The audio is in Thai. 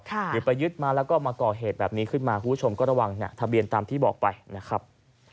หรือไปยึดมาแล้วก็มาก่อเหตุแบบนี้ขึ้นมาคุณผู้ชมก็ระวังทะเบียนตามที่บอกไปนะครับ